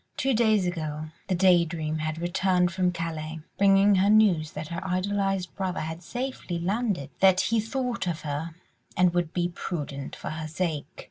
Two days ago the Day Dream had returned from Calais, bringing her news that her idolised brother had safely landed, that he thought of her, and would be prudent for her sake.